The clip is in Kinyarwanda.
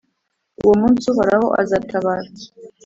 Uwo munsi, Uhoraho azatabara,